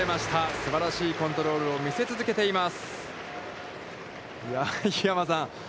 すばらしいコントロールを見せ続けています。